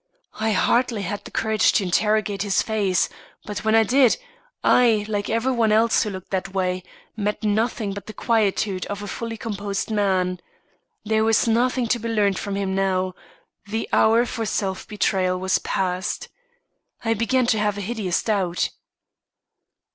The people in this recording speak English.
I hardly had the courage to interrogate his face, but when I did, I, like every one else who looked that way, met nothing but the quietude of a fully composed man. There was nothing to be learned from him now; the hour for self betrayal was past. I began to have a hideous doubt.